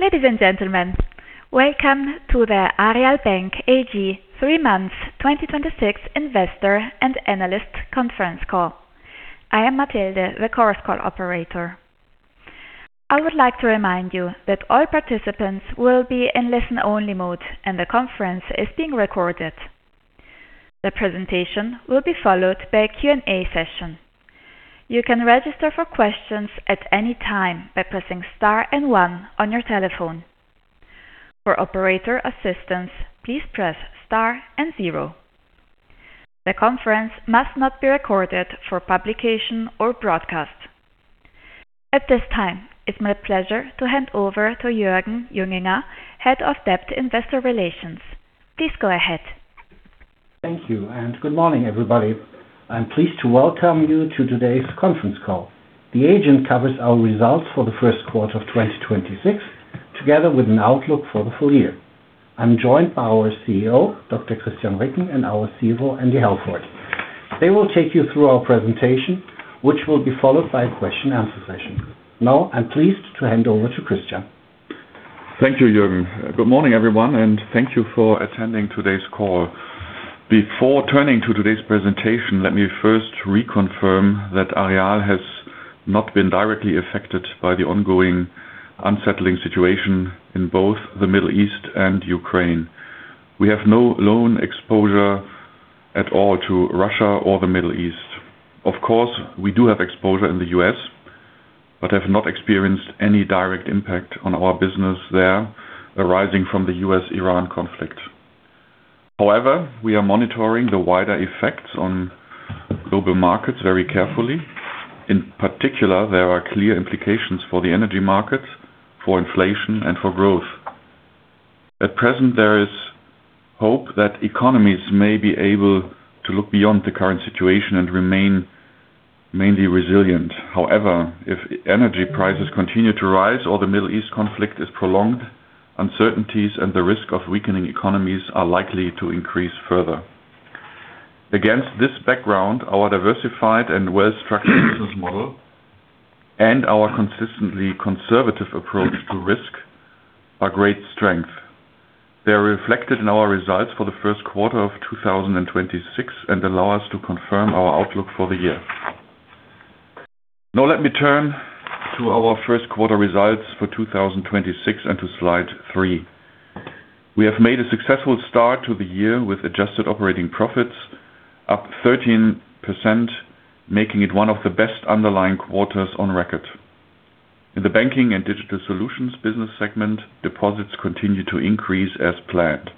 Ladies and gentlemen, welcome to the Aareal Bank AG Three Months 2026 Investor and Analyst Conference Call. I am Matilde, the Chorus call operator. I would like to remind you that all participants will be in listen-only mode, and the conference is being recorded. The presentation will be followed by a Q&A session. You can register for questions at any time by pressing star and one on your telephone. For operator assistance, please press star and zero. The conference must not be recorded for publication or broadcast. At this time, it's my pleasure to hand over to Jürgen Junginger, Head of Debt Investor Relations. Please go ahead. Thank you, and good morning, everybody. I'm pleased to welcome you to today's conference call. The agenda covers our results for the first quarter of 2026, together with an outlook for the full year. I'm joined by our CEO, Dr. Christian Ricken, and our CFO, Andy Halford. They will take you through our presentation, which will be followed by a question-and-answer session. Now, I'm pleased to hand over to Christian. Thank you, Jürgen. Good morning, everyone, and thank you for attending today's call. Before turning to today's presentation, let me first reconfirm that Aareal has not been directly affected by the ongoing unsettling situation in both the Middle East and Ukraine. We have no loan exposure at all to Russia or the Middle East. Of course, we do have exposure in the U.S., but have not experienced any direct impact on our business there arising from the U.S.-Iran conflict. However, we are monitoring the wider effects on global markets very carefully. In particular, there are clear implications for the energy markets, for inflation, and for growth. At present, there is hope that economies may be able to look beyond the current situation and remain mainly resilient. However, if energy prices continue to rise or the Middle East conflict is prolonged, uncertainties and the risk of weakening economies are likely to increase further. Against this background, our diversified and well-structured business model and our consistently conservative approach to risk are great strength. They are reflected in our results for the first quarter of 2026 and allow us to confirm our outlook for the year. Let me turn to our first quarter results for 2026 and to slide three. We have made a successful start to the year with adjusted operating profits up 13%, making it one of the best underlying quarters on record. In the Banking & Digital Solutions business segment, deposits continue to increase as planned.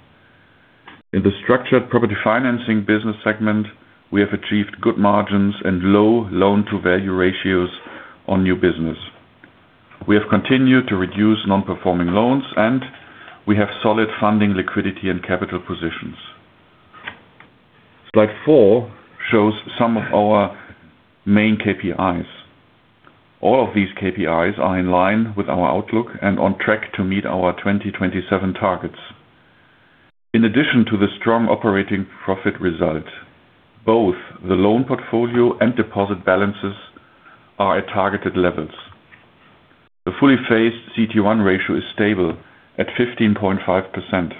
In the Structured Property Financing business segment, we have achieved good margins and low loan-to-value ratios on new business. We have continued to reduce non-performing loans, and we have solid funding liquidity and capital positions. Slide four shows some of our main KPIs. All of these KPIs are in line with our outlook and on track to meet our 2027 targets. In addition to the strong operating profit result, both the loan portfolio and deposit balances are at targeted levels. The fully phased CET1 ratio is stable at 15.5%.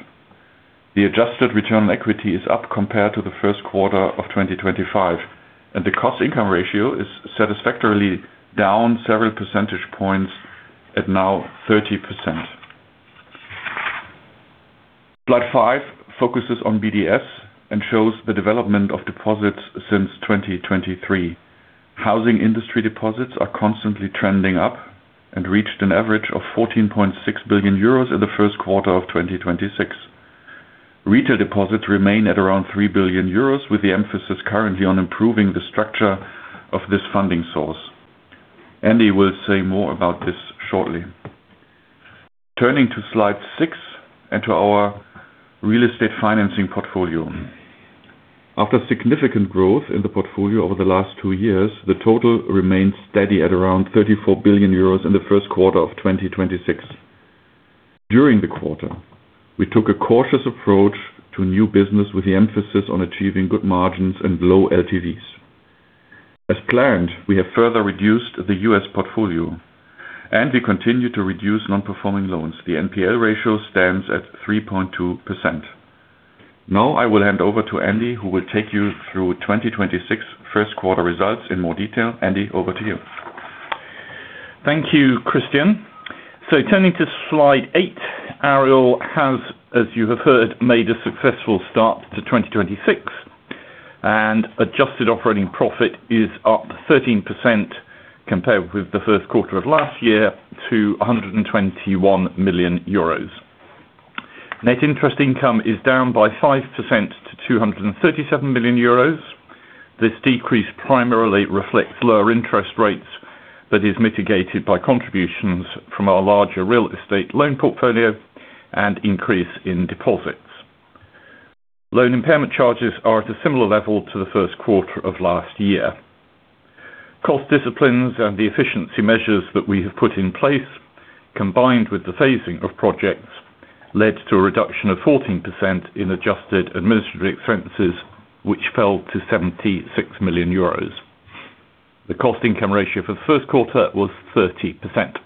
The adjusted return on equity is up compared to the first quarter of 2025, and the cost income ratio is satisfactorily down several percentage points at now 30%. Slide five focuses on BDS and shows the development of deposits since 2023. Housing industry deposits are constantly trending up and reached an average of 14.6 billion euros in the first quarter of 2026. Retail deposits remain at around 3 billion euros, with the emphasis currently on improving the structure of this funding source. Andy will say more about this shortly. Turning to slide six and to our real estate financing portfolio. After significant growth in the portfolio over the last two years, the total remains steady at around 34 billion euros in the first quarter of 2026. During the quarter, we took a cautious approach to new business with the emphasis on achieving good margins and low LTVs. As planned, we have further reduced the U.S. portfolio, and we continue to reduce non-performing loans. The NPL ratio stands at 3.2%. I will hand over to Andy, who will take you through 2026 first quarter results in more detail. Andy, over to you. Thank you, Christian. Turning to slide eight, Aareal has, as you have heard, made a successful start to 2026, adjusted operating profit is up 13% compared with the first quarter of last year to 121 million euros. Net interest income is down by 5% to 237 million euros. This decrease primarily reflects lower interest rates that is mitigated by contributions from our larger real estate loan portfolio and increase in deposits. Loan impairment charges are at a similar level to the first quarter of last year. Cost disciplines and the efficiency measures that we have put in place, combined with the phasing of projects, led to a reduction of 14% in adjusted administrative expenses, which fell to EUR 76 million. The cost income ratio for the first quarter was 30%.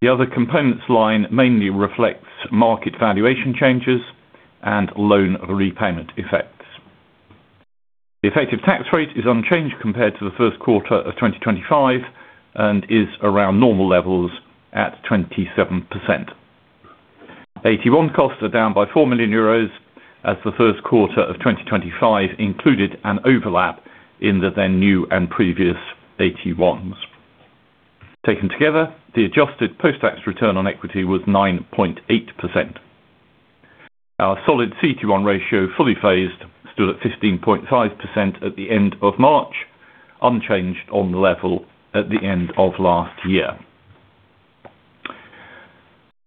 The other components line mainly reflects market valuation changes and loan repayment effects. The effective tax rate is unchanged compared to the first quarter of 2025 and is around normal levels at 27%. AT1 costs are down by 4 million euros as the first quarter of 2025 included an overlap in the then new and previous AT1s. Taken together, the adjusted post-tax return on equity was 9.8%. Our solid CET1 ratio, fully phased, stood at 15.5% at the end of March, unchanged on the level at the end of last year.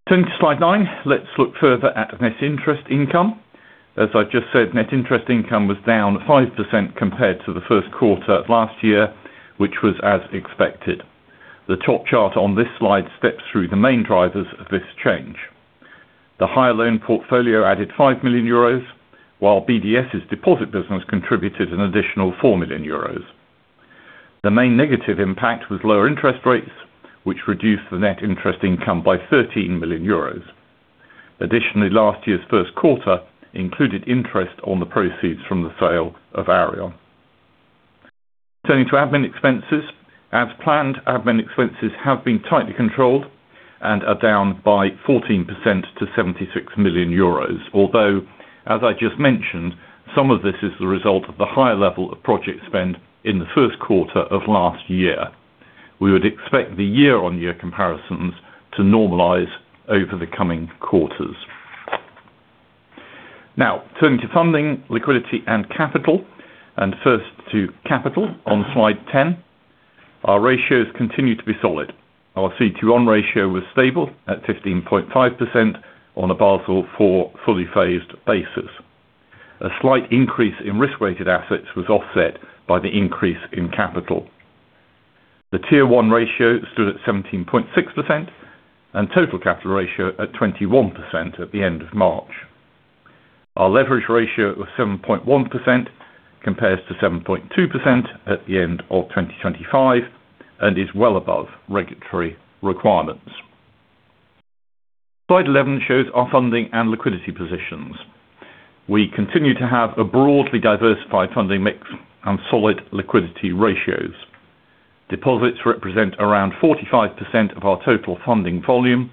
Turning to slide nine, let's look further at net interest income. As I just said, net interest income was down 5% compared to the first quarter of last year, which was as expected. The top chart on this slide steps through the main drivers of this change. The higher loan portfolio added 5 million euros, while BDS' deposit business contributed an additional 4 million euros. The main negative impact was lower interest rates, which reduced the net interest income by 13 million euros. Additionally, last year's first quarter included interest on the proceeds from the sale of Aareal. Turning to admin expenses. As planned, admin expenses have been tightly controlled and are down by 14% to 76 million euros. Although, as I just mentioned, some of this is the result of the higher level of project spend in the first quarter of last year. We would expect the year-on-year comparisons to normalize over the coming quarters. Now, turning to funding, liquidity, and capital. First, to capital on slide 10. Our ratios continue to be solid. Our CET1 ratio was stable at 15.5% on a Basel IV fully phased basis. A slight increase in risk-weighted assets was offset by the increase in capital. The Tier 1 ratio stood at 17.6% and total capital ratio at 21% at the end of March. Our leverage ratio of 7.1% compares to 7.2% at the end of 2025 and is well above regulatory requirements. Slide 11 shows our funding and liquidity positions. We continue to have a broadly diversified funding mix and solid liquidity ratios. Deposits represent around 45% of our total funding volume.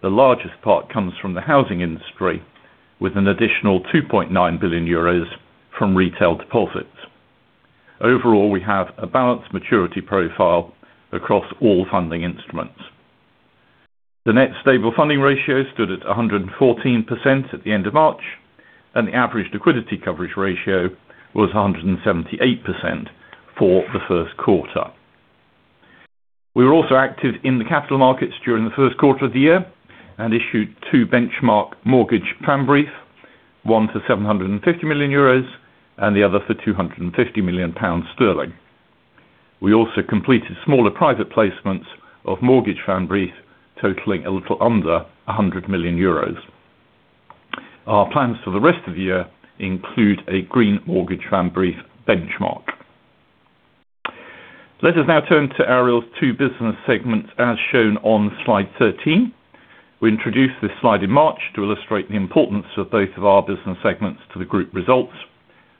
The largest part comes from the housing industry with an additional 2.9 billion euros from retail deposits. Overall, we have a balanced maturity profile across all funding instruments. The Net Stable Funding Ratio stood at 114% at the end of March, and the average Liquidity Coverage Ratio was 178% for the first quarter. We were also active in the capital markets during the first quarter of the year and issued two benchmark mortgage Pfandbriefe, one to 750 million euros and the other for 250 million pounds. We also completed smaller private placements of mortgage Pfandbriefe totaling a little under 100 million euros. Our plans for the rest of the year include a green mortgage Pfandbriefe benchmark. Let us now turn to Aareal's two business segments as shown on slide 13. We introduced this slide in March to illustrate the importance of both of our business segments to the group results.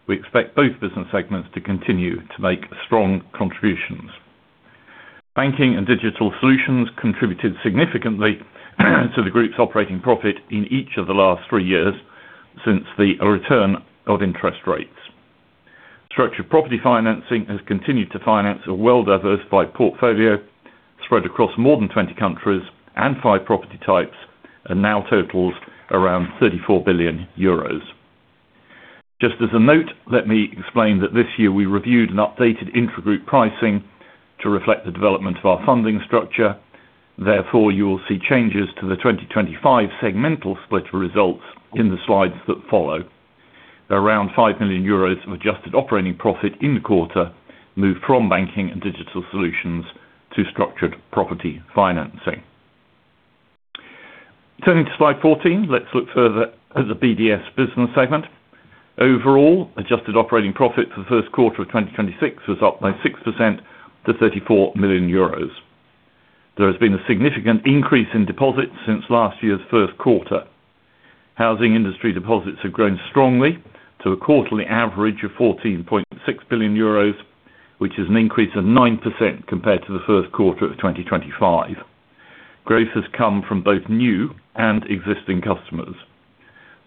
We expect both business segments to continue to make strong contributions. Banking & Digital Solutions contributed significantly to the group's operating profit in each of the last three years since the return of interest rates. Structured Property Financing has continued to finance a well-diversified portfolio spread across more than 20 countries and five property types, and now totals around 34 billion euros. Just as a note, let me explain that this year we reviewed an updated intragroup pricing to reflect the development of our funding structure. Therefore, you will see changes to the 2025 segmental split results in the slides that follow. Around 5 million euros of adjusted operating profit in the quarter moved from Banking & Digital Solutions to Structured Property Financing. Turning to slide 14, let's look further at the BDS business segment. Overall, adjusted operating profit for the first quarter of 2026 was up by 6% to 34 million euros. There has been a significant increase in deposits since last year's first quarter. Housing industry deposits have grown strongly to a quarterly average of 14.6 billion euros, which is an increase of 9% compared to the first quarter of 2025. Growth has come from both new and existing customers.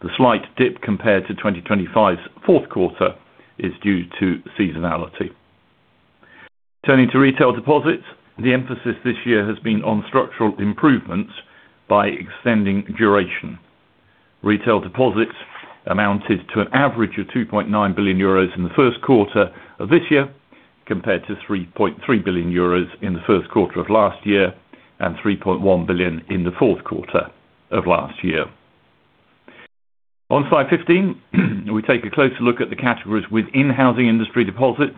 The slight dip compared to 2025's fourth quarter is due to seasonality. Turning to retail deposits. The emphasis this year has been on structural improvements by extending duration. Retail deposits amounted to an average of 2.9 billion euros in the first quarter of this year, compared to 3.3 billion euros in the first quarter of last year and 3.1 billion in the fourth quarter of last year. On slide 15, we take a closer look at the categories within housing industry deposits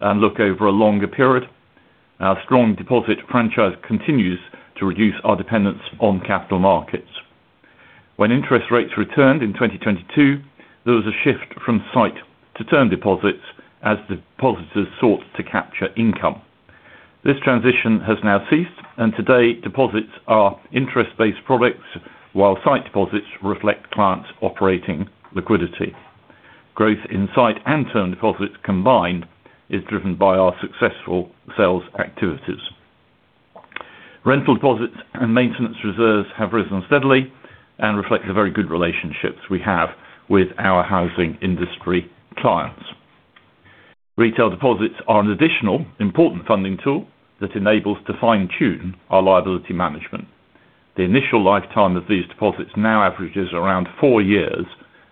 and look over a longer period. Our strong deposit franchise continues to reduce our dependence on capital markets. When interest rates returned in 2022, there was a shift from sight to term deposits as the depositors sought to capture income. This transition has now ceased, and today deposits are interest-based products, while sight deposits reflect clients operating liquidity. Growth in sight and term deposits combined is driven by our successful sales activities. Rental deposits and maintenance reserves have risen steadily and reflect the very good relationships we have with our housing industry clients. Retail deposits are an additional important funding tool that enables to fine-tune our liability management. The initial lifetime of these deposits now averages around four years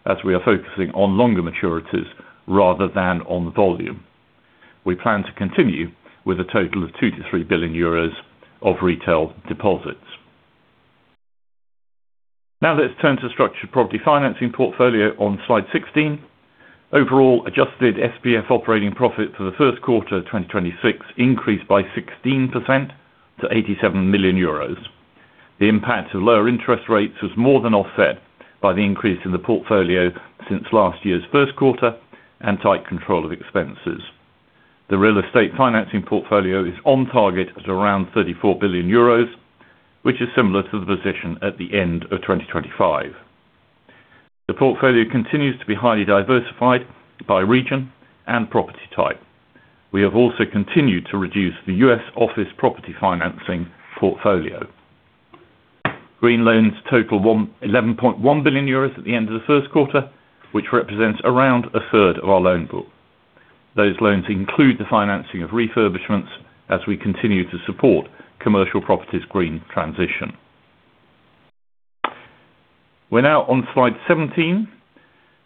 as we are focusing on longer maturities rather than on volume. We plan to continue with a total of 2 billion-3 billion euros of retail deposits. Now let's turn to Structured Property Financing portfolio on slide 16. Overall, adjusted SPF operating profit for the first quarter of 2026 increased by 16% to EUR 87 million. The impact of lower interest rates was more than offset by the increase in the portfolio since last year's first quarter and tight control of expenses. The real estate financing portfolio is on target at around 34 billion euros, which is similar to the position at the end of 2025. The portfolio continues to be highly diversified by region and property type. We have also continued to reduce the U.S. office property financing portfolio. Green loans total 11.1 billion euros at the end of the first quarter, which represents around a third of our loan book. Those loans include the financing of refurbishments as we continue to support commercial properties green transition. We're now on slide 17.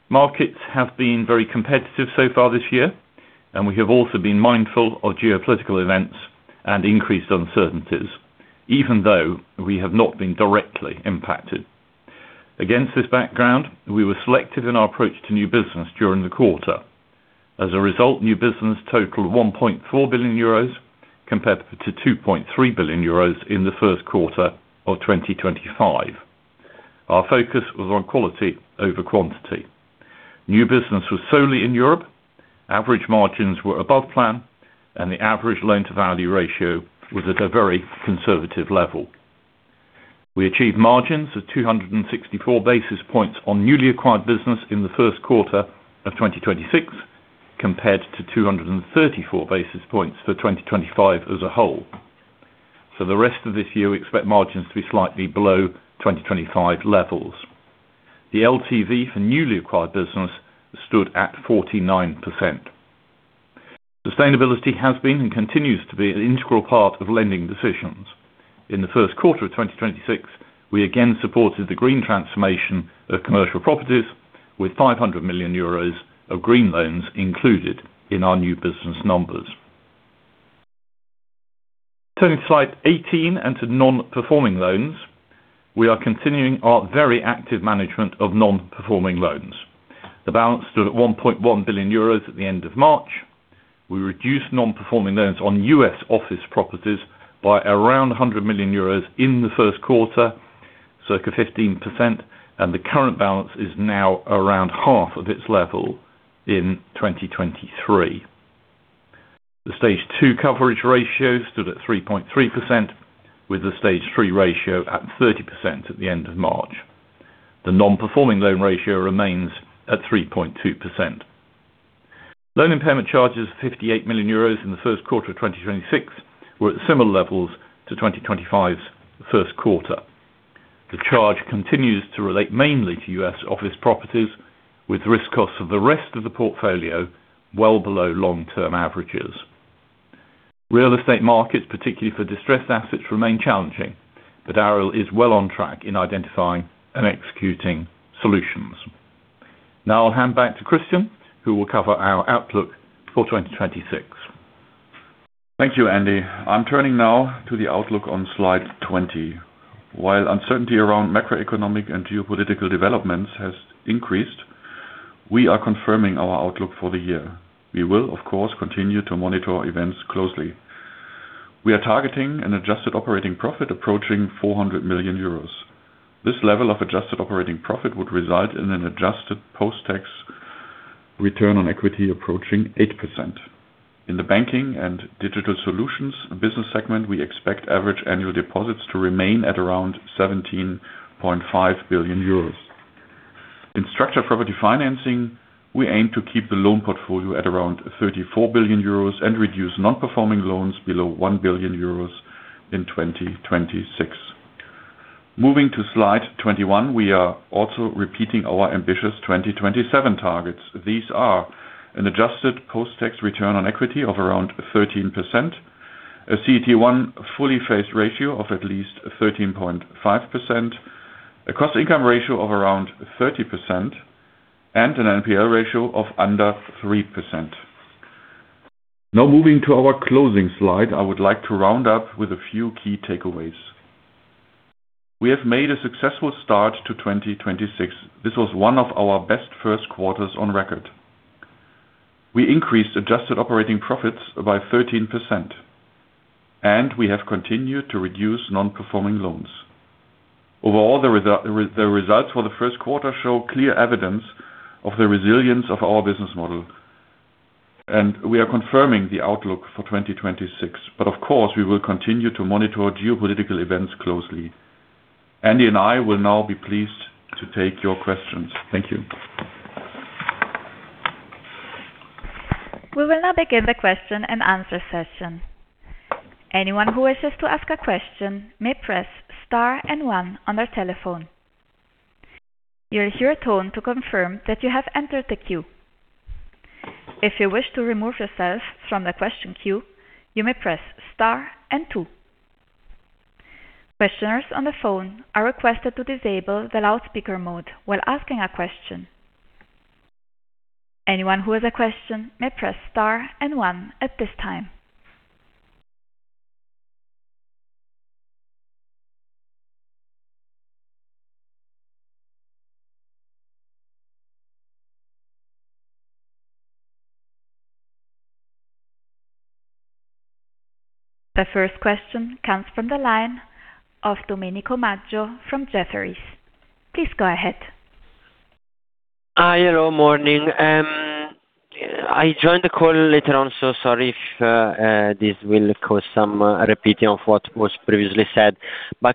Markets have been very competitive so far this year, and we have also been mindful of geopolitical events and increased uncertainties, even though we have not been directly impacted. Against this background, we were selected in our approach to new business during the quarter. As a result, new business totaled 1.4 billion euros compared to 2.3 billion euros in the first quarter of 2025. Our focus was on quality over quantity. New business was solely in Europe. Average margins were above plan, and the average loan-to-value ratio was at a very conservative level. We achieved margins of 264 basis points on newly acquired business in the first quarter of 2026, compared to 234 basis points for 2025 as a whole. For the rest of this year, we expect margins to be slightly below 2025 levels. The LTV for newly acquired business stood at 49%. Sustainability has been and continues to be an integral part of lending decisions. In the first quarter of 2026, we again supported the green transformation of commercial properties with 500 million euros of green loans included in our new business numbers. Turning to slide 18 and to non-performing loans. We are continuing our very active management of non-performing loans. The balance stood at 1.1 billion euros at the end of March. We reduced non-performing loans on U.S. office properties by around 100 million euros in the first quarter, circa 15%, and the current balance is now around half of its level in 2023. The Stage 2 coverage ratio stood at 3.3%, with the Stage 3 ratio at 30% at the end of March. The non-performing loan ratio remains at 3.2%. Loan impairment charges of EUR 58 million in the first quarter of 2026 were at similar levels to 2025's first quarter. The charge continues to relate mainly to U.S. office properties, with risk costs of the rest of the portfolio well below long-term averages. Real estate markets, particularly for distressed assets, remain challenging, but Aareal is well on track in identifying and executing solutions. Now I'll hand back to Christian, who will cover our outlook for 2026. Thank you, Andy. I'm turning now to the outlook on slide 20. While uncertainty around macroeconomic and geopolitical developments has increased, we are confirming our outlook for the year. We will, of course, continue to monitor events closely. We are targeting an adjusted operating profit approaching 400 million euros. This level of adjusted operating profit would result in an adjusted post-tax return on equity approaching 8%. In the Banking & Digital Solutions business segment, we expect average annual deposits to remain at around 17.5 billion euros. In Structured Property Financing, we aim to keep the loan portfolio at around 34 billion euros and reduce non-performing loans below 1 billion euros in 2026. Moving to slide 21, we are also repeating our ambitious 2027 targets. These are an adjusted post-tax return on equity of around 13%, a CET1 fully phased ratio of at least 13.5%, a cost income ratio of around 30%, and an NPL ratio of under 3%. Moving to our closing slide, I would like to round up with a few key takeaways. We have made a successful start to 2026. This was one of our best first quarters on record. We increased adjusted operating profits by 13%, and we have continued to reduce non-performing loans. Overall, the results for the first quarter show clear evidence of the resilience of our business model. We are confirming the outlook for 2026. Of course, we will continue to monitor geopolitical events closely. Andy and I will now be pleased to take your questions. Thank you. We will now begin the question-and-answer session. Anyone who wishes to ask a question may press star and one on their telephone. You will hear a tone to confirm that you have entered the queue. If you wish to remove yourself from the question queue, you may press star and two. Questioners on the phone are requested to disable the loudspeaker mode while asking a question. Anyone who has a question may press star and one at this time. The first question comes from the line of Domenico Maggio from Jefferies. Please go ahead. Hi. Hello. Morning. I joined the call later on, so sorry if this will cause some repeating of what was previously said.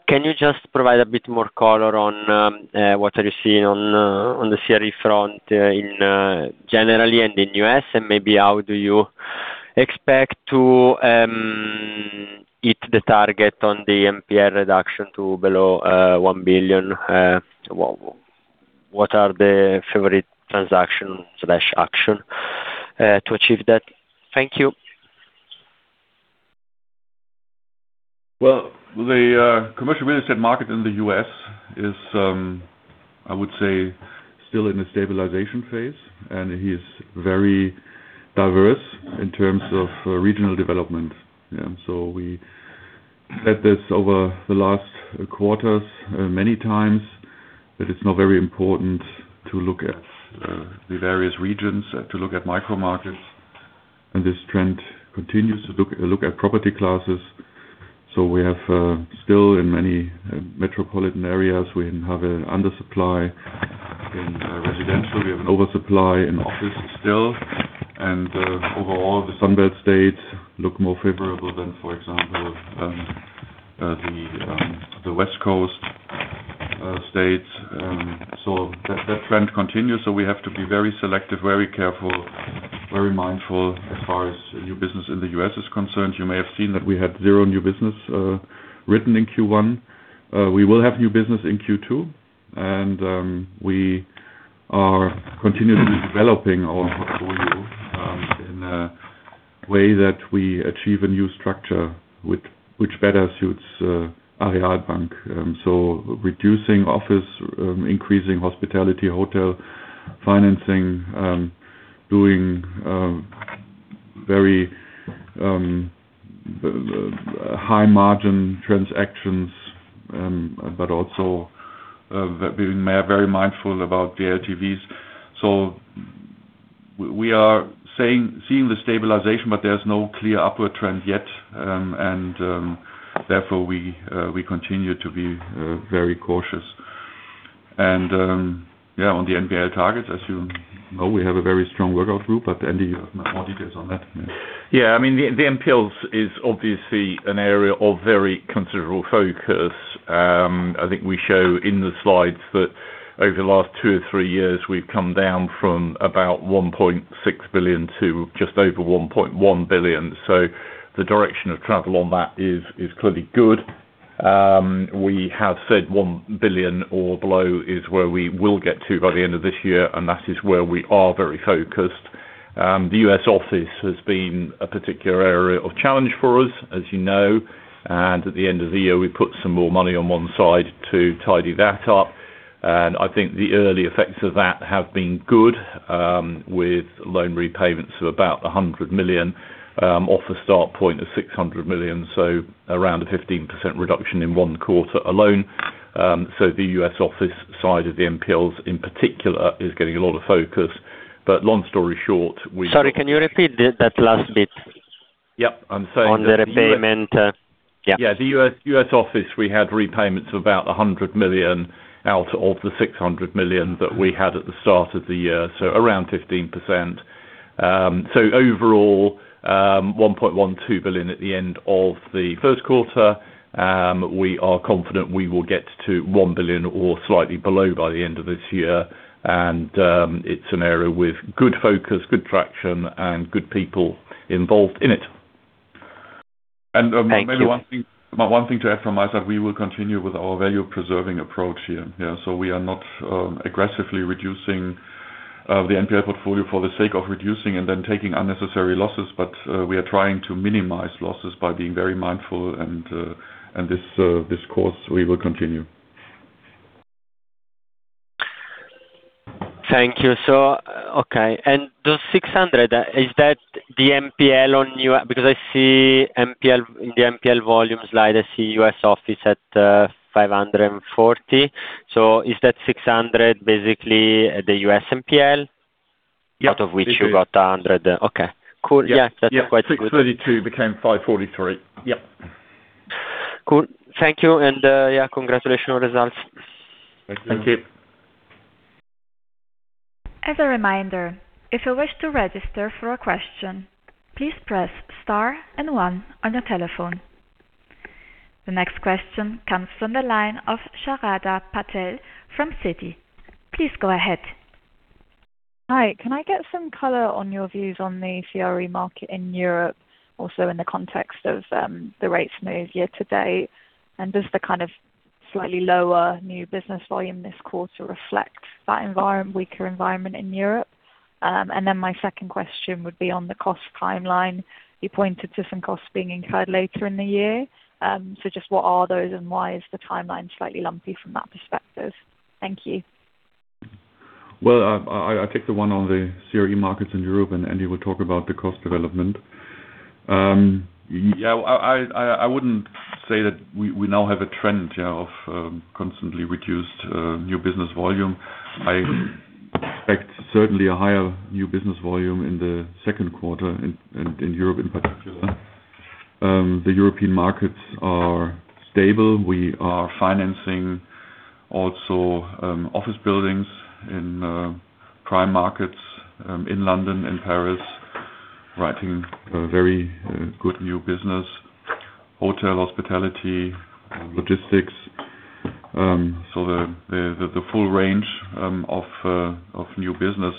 Can you just provide a bit more color on what are you seeing on the CRE front in generally and in U.S., and maybe how do you expect to hit the target on the NPL reduction to below 1 billion? What are the favorite transaction/action to achieve that? Thank you. Well, the commercial real estate market in the U.S. is, I would say, still in a stabilization phase, and it is very diverse in terms of regional development. Yeah. We said this over the last quarters, many times, that it's now very important to look at the various regions, to look at micro markets. This trend continues to look at property classes. We have still in many metropolitan areas, we have an undersupply. In residential, we have an oversupply in office still. Overall, the Sun Belt states look more favorable than, for example, the West Coast states. That trend continues. We have to be very selective, very careful, very mindful as far as new business in the U.S. is concerned. You may have seen that we had zero new business written in Q1. We will have new business in Q2, and we are continuously developing our portfolio in a way that we achieve a new structure which better suits Aareal Bank. So reducing office, increasing hospitality, hotel financing, doing very high margin transactions, but also being very mindful about the LTVs. So we are seeing the stabilization, but there's no clear upward trend yet. Therefore, we continue to be very cautious. Yeah, on the NPL targets, as you know, we have a very strong workout group, but Andy, you have more details on that. Yeah. I mean, the NPLs is obviously an area of very considerable focus. I think we show in the slides that over the last two or three years, we've come down from about 1.6 billion to just over 1.1 billion. The direction of travel on that is clearly good. We have said 1 billion or below is where we will get to by the end of this year, and that is where we are very focused. The U.S. office has been a particular area of challenge for us, as you know. At the end of the year, we put some more money on one side to tidy that up. I think the early effects of that have been good with loan repayments of about 100 million off a start point of 600 million. Around a 15% reduction in one quarter alone. The U.S. office side of the NPLs in particular is getting a lot of focus. But long story short. Sorry, can you repeat that last bit? Yep. On the repayment. Yeah. The U.S. office, we had repayments of about 100 million out of the 600 million that we had at the start of the year, so around 15%. Overall, 1.12 billion at the end of the first quarter. We are confident we will get to 1 billion or slightly below by the end of this year. It's an area with good focus, good traction, and good people involved in it. Thank you. Maybe one thing to add from my side, we will continue with our value-preserving approach here. Yeah. We are not aggressively reducing the NPL portfolio for the sake of reducing and then taking unnecessary losses, but we are trying to minimize losses by being very mindful and this course we will continue. Thank you. Okay. Those 600, is that the NPL on you? Because I see the NPL volume slide, I see U.S. office at 540. Is that 600 basically the U.S. NPL? Yeah. Out of which you got 100. Okay. Cool. Yeah. That's quite good. 632 became 543. Yep. Cool. Thank you. Yeah, congratulations on results. Thank you. Thank you. As a reminder, if you wish to register for a question, please press star and one on your telephone. The next question comes from the line of Sharada Patel from Citi. Please go ahead. Hi, can I get some color on your views on the CRE market in Europe, also in the context of the rates move year to date? Does the kind of slightly lower new business volume this quarter reflect that weaker environment in Europe? My second question would be on the cost timeline. You pointed to some costs being incurred later in the year. Just what are those and why is the timeline slightly lumpy from that perspective? Thank you. Well, I take the one on the CRE markets in Europe, and Andy will talk about the cost development. Yeah, I wouldn't say that we now have a trend, yeah, of constantly reduced new business volume. I expect certainly a higher new business volume in the second quarter in Europe in particular. The European markets are stable. We are financing also office buildings in prime markets in London and Paris, writing very good new business. Hotel, hospitality, logistics. The full range of new business.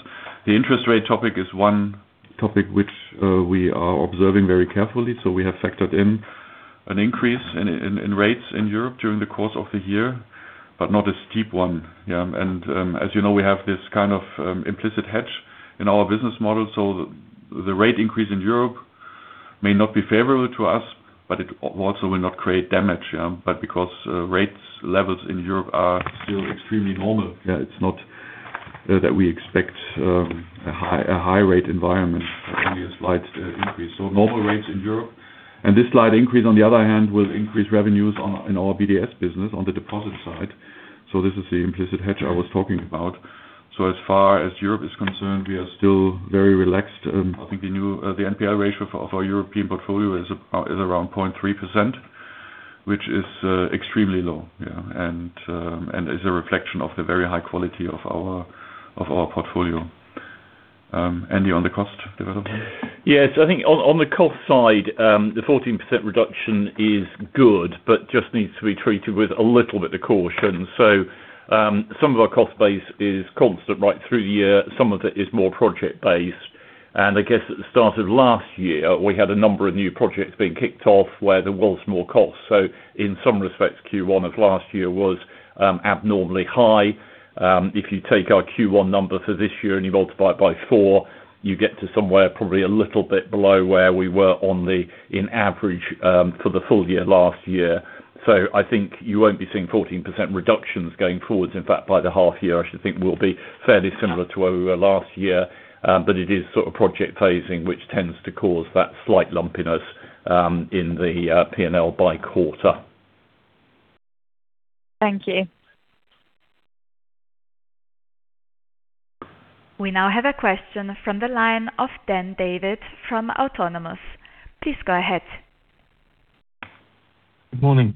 The interest rate topic is one topic which we are observing very carefully. We have factored in an increase in rates in Europe during the course of the year, but not a steep one. Yeah. As you know, we have this kind of implicit hedge in our business model. The rate increase in Europe may not be favorable to us, but it also will not create damage, yeah. Because rates levels in Europe are still extremely normal, it's not that we expect a high rate environment. Only a slight increase. Normal rates in Europe. This slight increase, on the other hand, will increase revenues in our BDS business on the deposit side. This is the implicit hedge I was talking about. As far as Europe is concerned, we are still very relaxed. I think the NPL ratio for our European portfolio is around 0.3%, which is extremely low, yeah. And is a reflection of the very high quality of our portfolio. Andy, on the cost development. Yes. I think on the cost side, the 14% reduction is good, just needs to be treated with a little bit of caution. Some of our cost base is constant right through the year. Some of it is more project-based. I guess at the start of last year, we had a number of new projects being kicked off where there was more costs. In some respects, Q1 of last year was abnormally high. If you take our Q1 number for this year and you multiply it by four, you get to somewhere probably a little bit below where we were on average for the full year last year. I think you won't be seeing 14% reductions going forwards. In fact, by the half year, I should think we'll be fairly similar to where we were last year. It is sort of project phasing which tends to cause that slight lumpiness in the P&L by quarter. Thank you. We now have a question from the line of Dan David from Autonomous. Please go ahead. Good morning.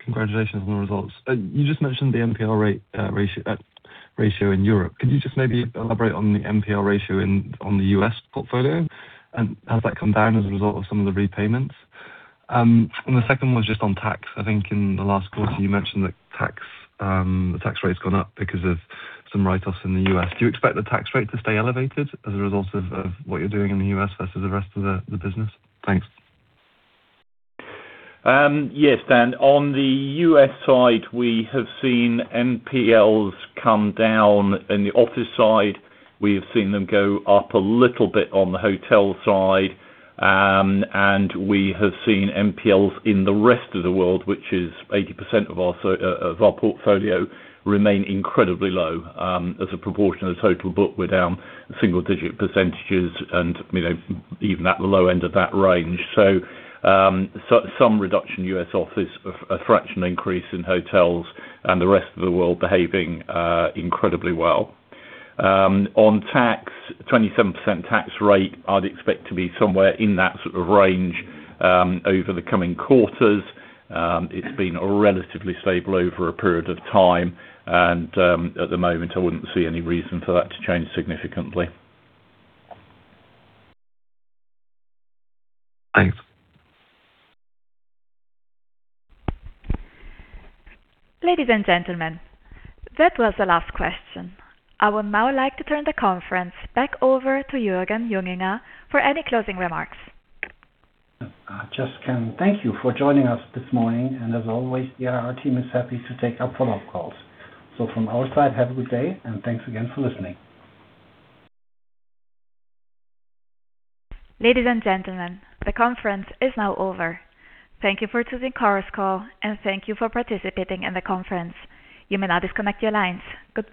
Congratulations on the results. You just mentioned the NPL ratio in Europe. Could you just maybe elaborate on the NPL ratio in, on the U.S. portfolio? Has that come down as a result of some of the repayments? The second one's just on tax. I think in the last quarter you mentioned that tax, the tax rate's gone up because of some write-offs in the U.S. Do you expect the tax rate to stay elevated as a result of what you're doing in the U.S. versus the rest of the business? Thanks. Yes, Dan. On the U.S. side, we have seen NPLs come down in the office side. We have seen them go up a little bit on the hotel side. We have seen NPLs in the rest of the world, which is 80% of our portfolio remain incredibly low. As a proportion of the total book, we're down single-digit percentages and, you know, even at the low end of that range. Some reduction U.S. office, a fraction increase in hotels and the rest of the world behaving incredibly well. On tax, 27% tax rate, I'd expect to be somewhere in that sort of range over the coming quarters. It's been relatively stable over a period of time, at the moment I wouldn't see any reason for that to change significantly. Thanks. Ladies and gentlemen, that was the last question. I would now like to turn the conference back over to Jürgen Junginger for any closing remarks. I just can thank you for joining us this morning. As always, yeah, our team is happy to take up follow-up calls. From our side, have a good day, and thanks again for listening. Ladies and gentlemen, the conference is now over. Thank you for choosing Chorus Call, and thank you for participating in the conference. You may now disconnect your lines. Goodbye.